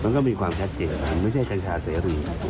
มันก็มีความชัดเจนมันไม่ใช่กัญชาเสรี